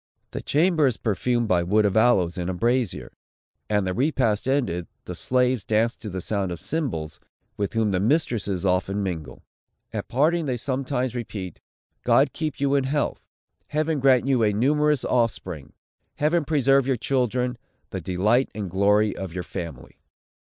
The chamber is perfumed by wood of aloes, in a brazier; and, the repast ended, the slaves dance to the sound of cymbals, with whom the mistresses often mingle. At parting they several times repeat, "God keep you in health! Heaven grant you a numerous offspring! Heaven preserve your children; the delight and glory of your family!"